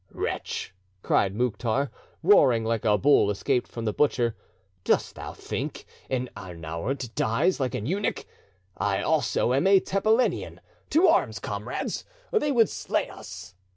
"Wretch!" cried Mouktar, roaring like a bull escaped from the butcher, "dost thou think an Arnaout dies like an eunuch? I also am a Tepelenian! To arms, comrades! they would slay us!"